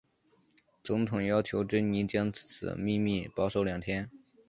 总统要求珍妮将此秘密保守两天。